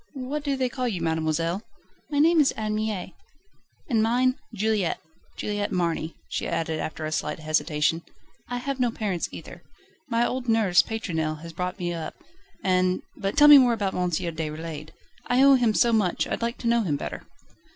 "What do they call you, mademoiselle?" "My name is Anne Mie." "And mine, Juliette Juliette Marny," she added after a slight hesitation. "I have no parents either. My old nurse, Pétronelle, has brought me up, and But tell me more about M. Déroulède I owe him so much, I'd like to know him better."